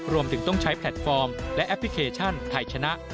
รวมถึงต้องใช้แพลตฟอร์มและแอปพลิเคชันไทยชนะ